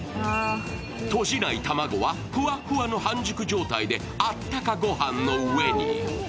とじない卵はふわふわの半熟状態であったかご飯の上に。